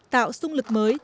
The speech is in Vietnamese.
tạo xung lực mới